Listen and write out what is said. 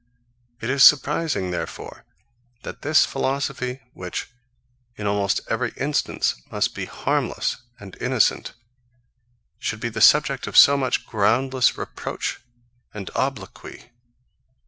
It is surprising, therefore, that this philosophy, which, in almost every instance, must be harmless and innocent, should be the subject of so much groundless reproach and obloquy.